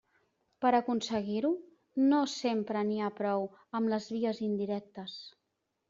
Per a aconseguir-ho, no sempre n'hi ha prou amb les vies indirectes.